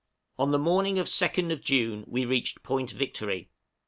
} On the morning of 2nd June we reached Point Victory.